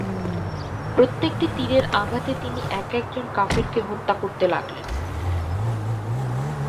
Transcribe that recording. প্রত্যেকটি তীরের আঘাতে তিনি একেক জন কাফেরকে হত্যা করতে লাগলেন।